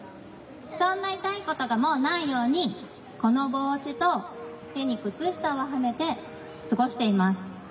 そんな痛いことがもうないようにこの帽子と手に靴下をはめて過ごしています。